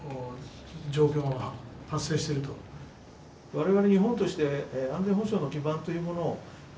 我々日本として安全保障の基盤というものを。